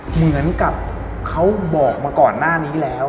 เหมือนกับเขาบอกมาก่อนหน้านี้แล้ว